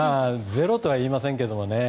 ゼロとは言いませんけどね。